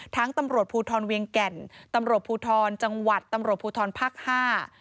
ตำรวจภูทรเวียงแก่นตำรวจภูทรจังหวัดตำรวจภูทรภาคห้า